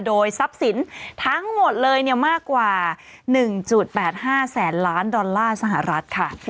โดยทรัพย์สินทั้งหมดเลยมากกว่า๑๘๕แสนล้านดอลลาร์สหรัฐค่ะ